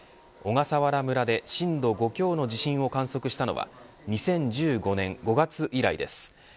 小笠原村で震度５強の地震を観測したのは２０１５年５月以来です。